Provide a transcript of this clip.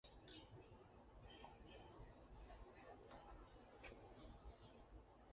戴左手的无名指上的戒指被认为是结婚戒指。